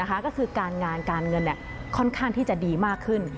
ก็คือการงานการเงินค่อนข้างที่จะดีมากขึ้น